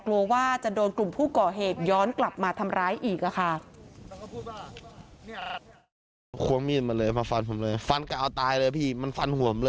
กลัวว่าจะโดนกลุ่มผู้ก่อเหตุย้อนกลับมาทำร้ายอีกค่ะ